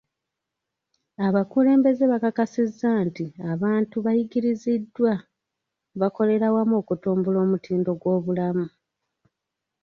Abakulembeze bakakasizza nti abantu bayigiriziddwa, bakolera wamu okutumbula omutindo gw'obulamu.